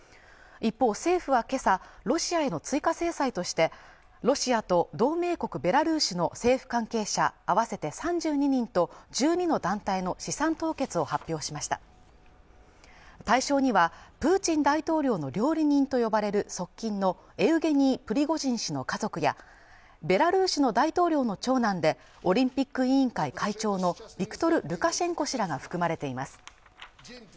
一方政府はけさロシアへの追加制裁としてロシアと同盟国ベラルーシの政府関係者合わせて３２人と１２の団体の資産凍結を発表しました対象にはプーチン大統領の料理人と呼ばれる側近のエウゲニー・プリゴジン氏の家族やベラルーシの大統領の長男でオリンピック委員会会長のビクトル・ルカシェンコ氏らが含まれています